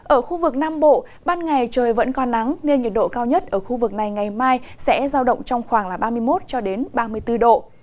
ở khu vực nam bộ ban ngày trời vẫn còn nắng nên nhiệt độ cao nhất ở khu vực này ngày mai sẽ giao động trong khoảng ba mươi một ba mươi bốn độ